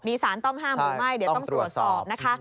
มีสารต้องห้ามหรือไม่เดี๋ยวต้องตรวจสอบนะคะ